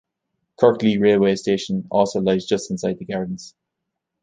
Kirklee railway station also lies just inside the gardens.